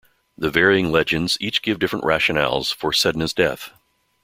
The varying legends each give different rationales for Sedna's death.